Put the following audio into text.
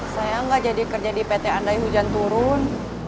saya nggak jadi kerja di pt andai hujan turun